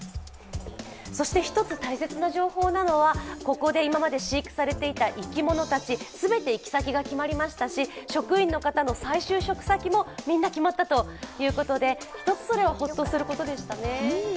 そして一つ大切な情報なのはここで今まで飼育されていた生き物たち、全て行き先が決まりましたし職員の方の再就職先も、みんな決まったということで一つ、それはホッとすることでしたね。